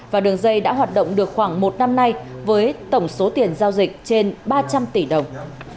và đường dây đã hoạt động được khoảng một năm nay với tổng số tiền giao dịch trên ba trăm linh tỷ đồng